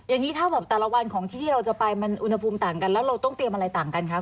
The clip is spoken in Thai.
อย่างนี้ถ้าแบบแต่ละวันของที่ที่เราจะไปมันอุณหภูมิต่างกันแล้วเราต้องเตรียมอะไรต่างกันคะ